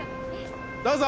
どうぞ！